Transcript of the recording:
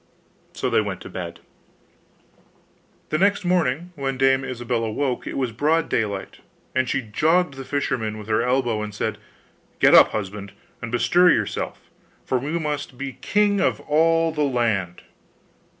So they went to bed. The next morning when Dame Ilsabill awoke it was broad daylight, and she jogged the fisherman with her elbow, and said, 'Get up, husband, and bestir yourself, for we must be king of all the land.